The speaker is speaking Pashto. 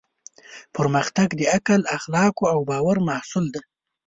پرمختګ د عقل، اخلاقو او باور محصول دی.